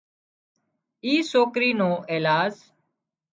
اي سوڪري نو ايلاز